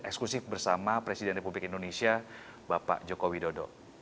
eksklusif bersama presiden republik indonesia bapak joko widodo